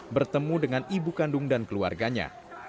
bertemu dengan ibu kandung dan keluarganya